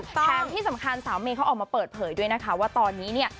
แถมที่สำคัญสาวเมย์เขาออกมาเปิดเผยด้วยนะคะว่าตอนนี้เนี่ย